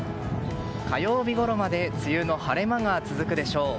火曜日ごろまで梅雨の晴れ間が続くでしょう。